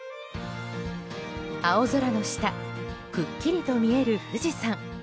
青空の下くっきりと見える富士山。